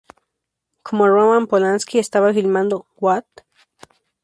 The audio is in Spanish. Como Roman Polanski estaba filmando "What?